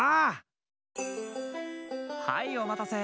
はいおまたせ！